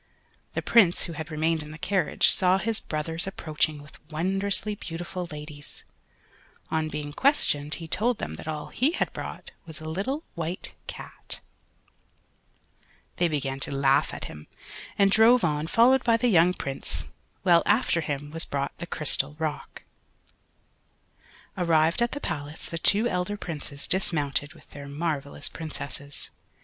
The Prince who had remained in the carriage, saw his brothers, approaching with wondrously beautiful ladies. On being questioned he told them that all he had brought was a little White Cat. [Illustration: "THE BODY OF THE WHITE CAT GREW LARGE AND WAS TRANSFORMED INTO THAT OF A GIRL."] They began to laugh at him, and drove on followed by the young Prince, while after him was brought the crystal rock. Arrived at the Palace the two elder Princes dismounted with their marvellous Princesses.